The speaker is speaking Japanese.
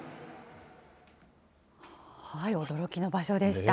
驚きの場所でした。